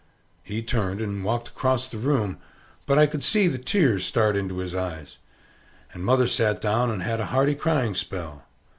He turned and walked across the room, but I could see the tears start into his eyes. And mother sat down and had a hearty crying spell.